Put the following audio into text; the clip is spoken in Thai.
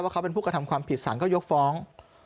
เขาเป็นผู้กระทำความผิดสารก็ยกฟ้อง